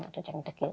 atau yang tekil